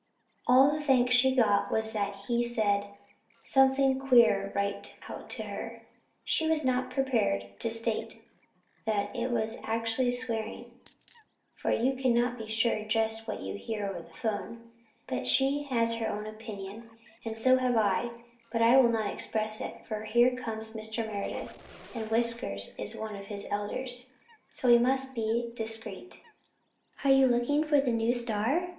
All the thanks she got was that he said something queer right out to her. She is not prepared to state that it was actually swearing for you cannot be sure just what you hear over the phone; but she has her own opinion, and so have I, but I will not express it for here comes Mr. Meredith, and Whiskers is one of his elders, so we must be discreet." "Are you looking for the new star?"